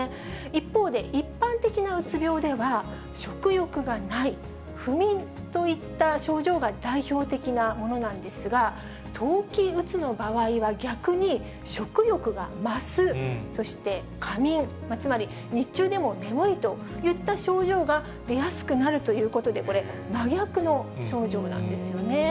一方で、一般的なうつ病では、食欲がない、不眠といった症状が代表的なものなんですが、冬季うつの場合は逆に食欲が増す、そして過眠、つまり、日中でも眠いといった症状が出やすくなるということで、これ、真逆の症状なんですよね。